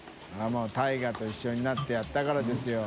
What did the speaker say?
もう大雅と一緒になってやったからですよ。